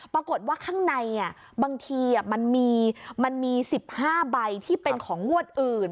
ปรากฏว่าข้างในบางทีมันมี๑๕ใบที่เป็นของงวดอื่น